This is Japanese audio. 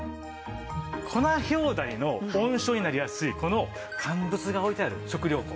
コナヒョウダニの温床になりやすいこの乾物が置いてある食糧庫。